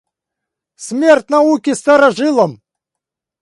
Смерть науки старожилам!